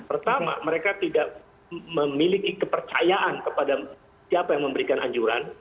pertama mereka tidak memiliki kepercayaan kepada siapa yang memberikan anjuran